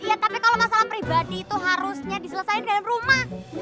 iya tapi kalau masalah pribadi itu harusnya diselesaikan di dalam rumah